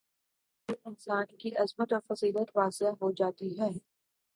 تو اس سے بھی انسان کی عظمت اور فضیلت واضح ہو جاتی ہے